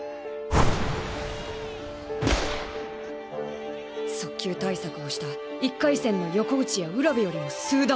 心の声速球対策をした１回戦の横内や卜部よりも数段速い。